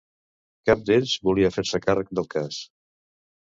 Cap d'ells volia fer-se càrrec del cas.